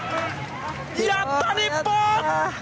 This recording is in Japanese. やった、日本！